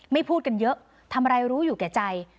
พูดกันเยอะทำอะไรรู้อยู่แก่ใจ